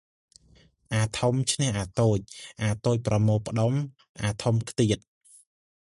អា៎ធំឈ្នះអា៎តូច អា៎តូចប្រមូលផ្តុំ អា៎ធំខ្ទាត ។